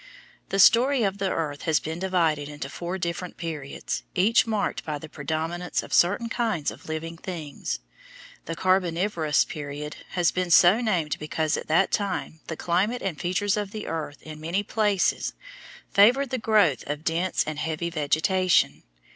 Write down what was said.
The story of the earth has been divided into different periods, each marked by the predominance of certain kinds of living things. The Carboniferous period has been so named because at that time the climate and features of the earth in many places favored the growth of dense and heavy vegetation.